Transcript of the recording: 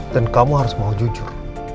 dan kamu harus mau jujur